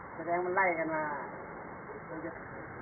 แสดงมันไหล่กันมาโดยเยอะ